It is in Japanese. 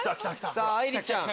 さぁ愛梨ちゃん。